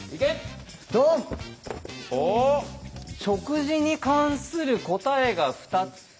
食事に関する答えが２つ。